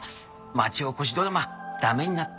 町おこしドラマ駄目になったもんで。